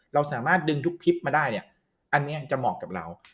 เราสามารถดึงทุกคลิปมาได้เนี่ยอันนี้จะเหมาะกับเรา